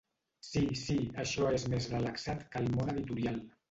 Sí, sí, això és més relaxat que el món editorial.